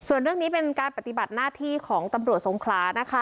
ส่วนเรื่องนี้เป็นการปฏิบัติหน้าที่ของตำรวจสงขลานะคะ